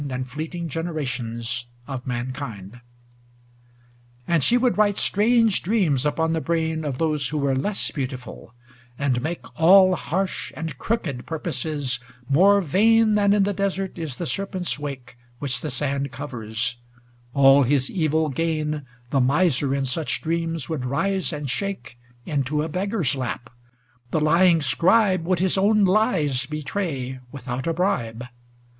And fleeting generations of mankind. LXXII And she would write strange dreams upon the brain Of those who were less beautiful, and make All harsh and crooked purposes more vain Than in the desert is the serpent's wake Which the sand covers; all his evil gain The miser in such dreams would rise and shake Into a beggar's lap; the lying scribe Would his own lies betray without a bribe.